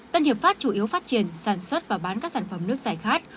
tân hiệp pháp chủ yếu phát triển sản xuất và bán các sản phẩm nước giải khát